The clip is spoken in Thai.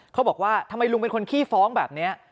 เขาบอกว่าทำไมลุงเป็นคนขี้ฟ้องแบบนี้